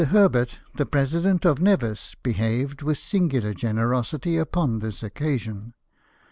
Herbert, the president of Nevis, behaved with singular generosity upon this occasion.